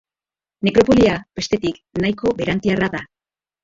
Nekropolia, bestetik, nahiko berantiarra da.